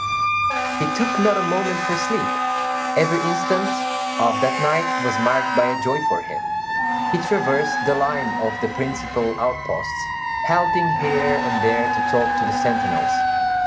He took not a moment for sleep; every instant of that night was marked by a joy for him. He traversed the line of the principal outposts, halting here and there to talk to the sentinels.